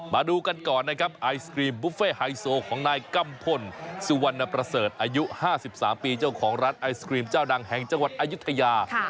มาดูกันก่อนนะครับไอศกรีมบุฟเฟ่ไฮโซของนายกัมพลสุวรรณประเสริฐอายุ๕๓ปีเจ้าของร้านไอศครีมเจ้าดังแห่งจังหวัดอายุทยา